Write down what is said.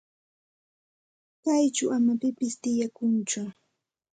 Chayćhu ama pipis tiyachunchu.